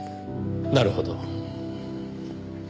なるほど。